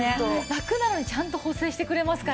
ラクなのにちゃんと補整してくれますから。